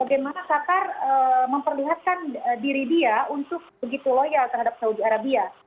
bagaimana qatar memperlihatkan diri dia untuk begitu loyal terhadap saudi arabia